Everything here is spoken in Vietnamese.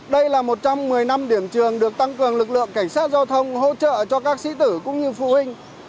đây là một trong một mươi năm điểm trường được tăng cường lực lượng cảnh sát giao thông hỗ trợ cho các sĩ tử cũng như phụ huynh